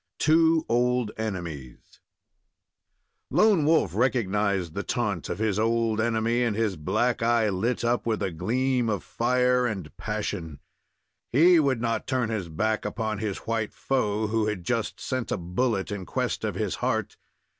TWO OLD ENEMIES Lone Wolf recognized the taunt of his old enemy, and his black eye lit up with a gleam of fire and passion. He would not turn his back upon his white foe, who had just sent a bullet in quest of his heart.